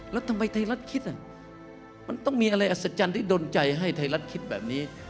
แล้วทำไมไทยรัฐคิดมันต้องมีอะไรอัศจรรย์ที่ดนใจให้ไทยรัฐคิดแบบนี้